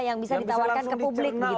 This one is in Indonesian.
yang bisa ditawarkan ke publik